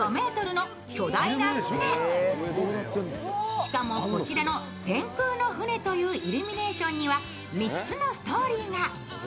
しかも、こちらの天空の船というイルミネーションには３つのストーリーが。